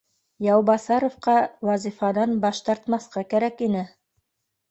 Яубаҫаровҡа вазифанан баш тартмаҫҡа кәрәк ине